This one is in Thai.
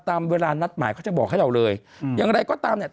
ตามเวลานัดหมายเขาจะบอกให้เราเลยอืมอย่างไรก็ตามเนี่ย